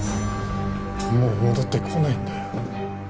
もう戻ってこないんだよ。